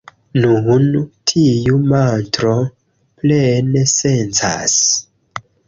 Nun, tiu mantro plene sencas.